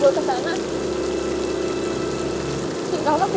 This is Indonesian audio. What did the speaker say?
pokoknya gue udah berubah